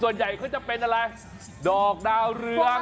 ส่วนใหญ่เขาจะเป็นอะไรดอกดาวเรือง